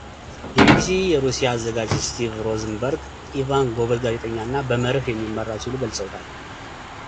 የቢቢሲ የሩሲያ አዘጋጅ ስቲቭ ሮዝንበርግ ኢቫን ጎበዝ ጋዜጠኛ እና በመርህ የሚመራ ሲሉ ገልጸውታል።